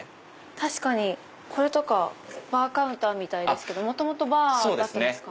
確かにこれとかバーカウンターみたいですけど元々バーだったんですか？